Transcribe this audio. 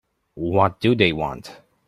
What do they want?